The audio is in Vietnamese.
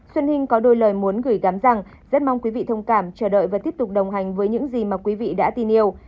xuân hinh có đôi lời muốn gửi gắm rằng rất mong quý vị thông cảm chờ đợi và tiếp tục đồng hành với những gì mà quý vị đã tin yêu